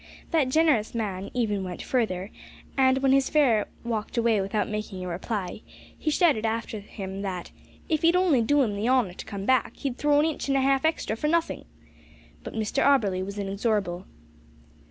That generous man even went further, and, when his fare walked away without making a reply, he shouted after him that "if he'd only do 'im the honour to come back, he'd throw in a inch an' a half extra for nothink." But Mr Auberly was inexorable.